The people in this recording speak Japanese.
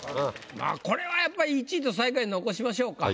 まあこれはやっぱり１位と最下位残しましょうか。